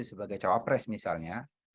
sebagai cawapres misalnya